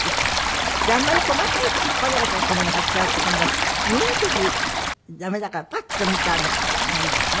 であんまり細かいゴチャゴチャしたものに貼っちゃうと今度見る時駄目だからパッと見たのがいいですね。